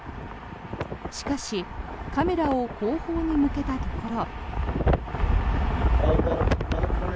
しかしカメラを後方に向けたところ。